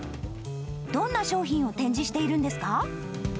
どんな商品を展示しているんですか。